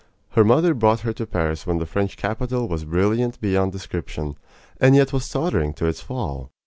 Her mother brought her to Paris when the French capital was brilliant beyond description, and yet was tottering to its fall.